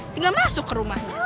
tinggal masuk ke rumahnya